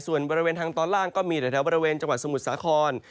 ส่วนบริเวณทางตอนล่างก็มีแต่แถวบริเวณจังหวัดสมุทรสาคร